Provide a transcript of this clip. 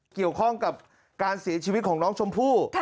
เกี่ยวข้องกับการเสียชีวิตของน้องชมพู่